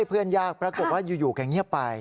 เพื่อนยากปรากฏว่าอยู่แกเงียบไป